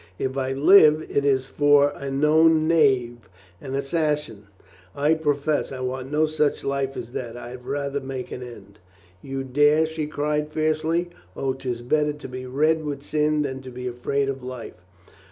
If I live it is for a known knave, an assassin. I p rofess I want no such life as that. I had rather make an end." "You dare?" she cried fiercely. "O, 'tis better to be red with sin than to be afraid of life.